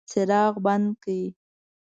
څراغ بند کړئ